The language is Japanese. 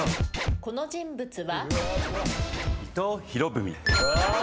この人物は？